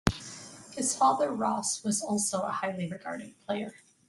His father Ross was also a highly regarded player.